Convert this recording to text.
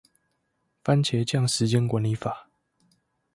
番茄醬時間管理法